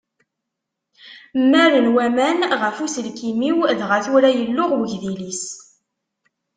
Mmaren waman ɣef uselkim-iw dɣa tura yelluɣ wegdil-is.